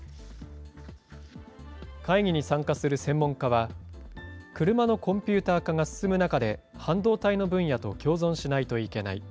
会議に参加する専門家は、車のコンピューター化が進む中で、半導体の分野と共存しないといけない。